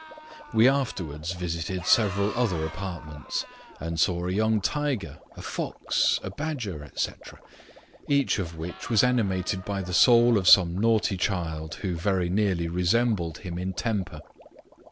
We afterwards visited several other apartments, and saw a young tyger, a fox, a badger, &c. each of which was animated by the soul of some naughty child, who very nearly resembled him in temper.